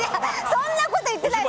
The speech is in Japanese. そんなこと言ってない。